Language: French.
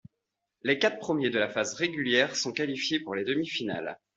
Les quatre premiers de la phase régulière sont qualifiés pour les demi-finales.